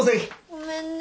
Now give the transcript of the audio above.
ごめんね。